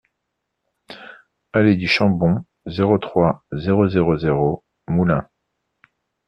Allée du Chambon, zéro trois, zéro zéro zéro Moulins